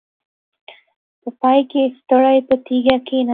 په پای کې ستړې په تيږه کېناسته.